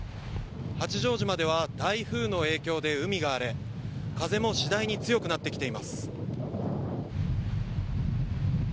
八丈島では台風の影響で海が荒れ風も次第に強くなってきています。